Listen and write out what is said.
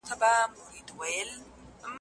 نه به تر لاندي تش کړو جامونه